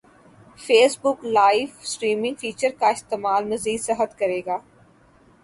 face بک live streaming feature کا استعمال مزید سخت کریگا